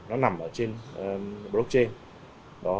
nó nằm ở trên blockchain